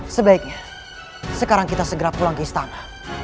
sebaiknya sekarang kita segera pulang ke istana